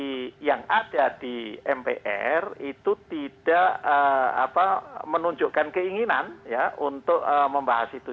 jadi yang ada di mpr itu tidak menunjukkan keinginan untuk membahas itu